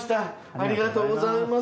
ありがとうございます。